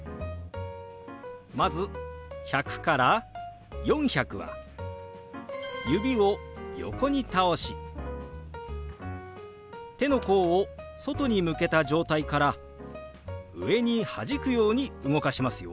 まず１００から４００は指を横に倒し手の甲を外に向けた状態から上にはじくように動かしますよ。